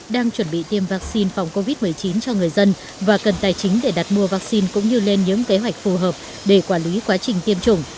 đang chuẩn bị tiêm vắc xin phòng covid một mươi chín cho người dân và cần tài chính để đặt mua vắc xin cũng như lên những kế hoạch phù hợp để quản lý quá trình tiêm chủng